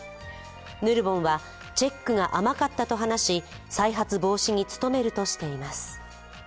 ヌルボンは、チェックが甘かったと話し再発防止に努めるとしています。